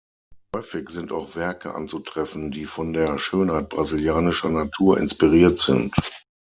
Häufig sind auch Werke anzutreffen, die von der Schönheit brasilianischer Natur inspiriert sind.